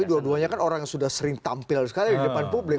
tapi dua duanya kan orang yang sudah sering tampil sekali di depan publik